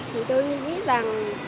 thì tôi nghĩ rằng